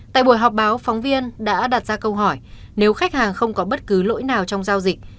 tại buổi họp báo phóng viên đã đặt ra câu hỏi nếu khách hàng không có bất cứ lỗi nào trong giao dịch